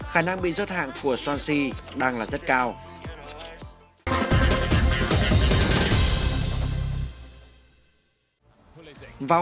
khả năng bị rớt hạng của sonci đang là rất cao